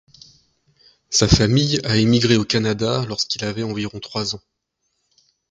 Sa famille a émigré au Canada lorsqu'il avait environ trois ans.